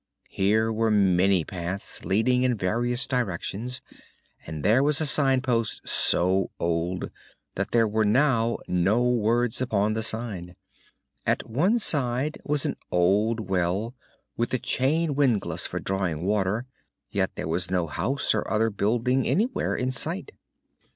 Here were many paths, leading in various directions, and there was a signpost so old that there were now no words upon the sign. At one side was an old well, with a chain windlass for drawing water, yet there was no house or other building anywhere in sight.